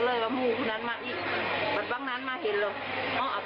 เราก็พูดว่าโภโภคันโนร